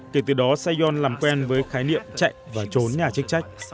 kể từ đó sayon làm quen với khái niệm chạy và trốn nhà trích trách